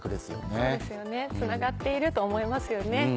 そうですよねつながっていると思えますよね。